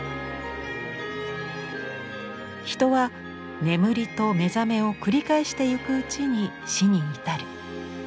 人は眠りと目覚めを繰り返してゆくうちに死に至る。